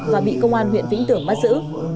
và bị công an huyện vĩnh tường bắt giữ